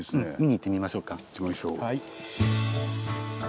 行ってみましょう。